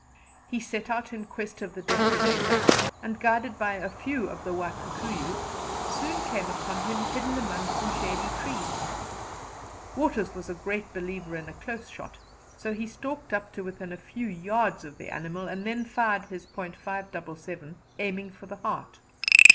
He set out in quest of the depredator, and, guided by a few of the Wa Kikuyu, soon came upon him hidden among some shady trees. Waters was a great believer in a close shot, so he stalked up to within a few yards of the animal and then fired his .577, aiming for the heart.